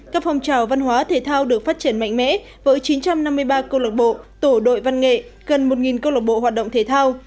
các phòng trào văn hóa thể thao được phát triển mạnh mẽ với chín trăm năm mươi ba câu lạc bộ tổ đội văn nghệ gần một câu lộc bộ hoạt động thể thao